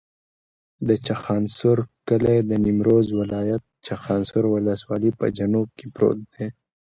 د چخانسور کلی د نیمروز ولایت، چخانسور ولسوالي په جنوب کې پروت دی.